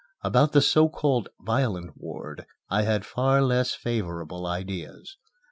About the so called violent ward I had far less favorable ideas.